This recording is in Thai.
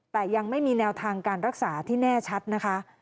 แต่ยังไม่มีแนวทางการรักษาที่แน่ชัดนะคะ